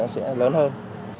sẽ lớn hơn